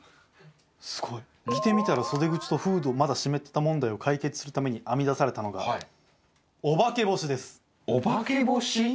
着てみたら袖口とフードまだ湿ってた問題を解決するために編み出されたのがおばけ干しです。